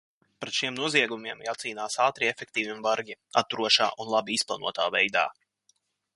Pret šiem noziegumiem jācīnās ātri, efektīvi un bargi, atturošā un labi izplānotā veidā.